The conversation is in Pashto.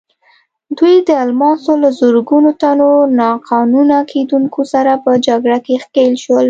دوی د الماسو له زرګونو تنو ناقانونه کیندونکو سره په جګړه کې ښکېل شول.